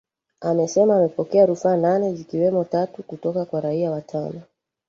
amesema amepokea rufaa nane zikiwemo tatu kutoka kwa raia watano